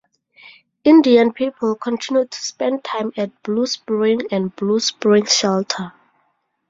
Indian people continue to spend time at Blue Spring and Blue Spring Shelter.